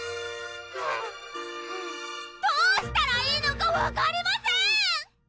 ハァハァどうしたらいいのか分かりません！